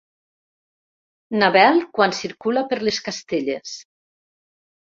Na Bel quan circula per les Castelles.